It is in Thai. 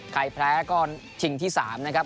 ใครแพ้ก็ชิงที่๓นะครับ